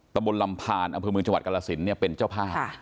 ตะบลลำพานอเมืองจังหวัดกรรศิลป์เนี่ยเป็นเจ้าพ่า